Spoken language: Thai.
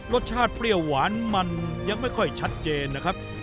รสชาติเปรี้ยวหวานมันยังไม่ค่อยชัดเจนนะครับ